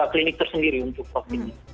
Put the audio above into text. klinik tersendiri untuk vaksinnya